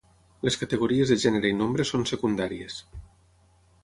Les categories de gènere i nombre són secundàries.